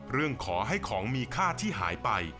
เรื่องขอให้ของมีค่าที่หายไป